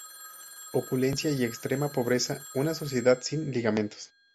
Opulencia y extrema pobreza: una sociedad sin ligamentos.